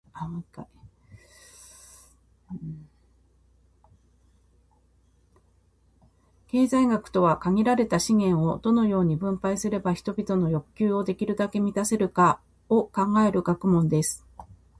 経済学とは、「限られた資源を、どのように分配すれば人々の欲求をできるだけ満たせるか」を考える学問です。